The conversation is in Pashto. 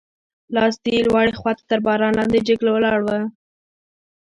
لاستي یې لوړې خواته تر باران لاندې جګ ولاړ و.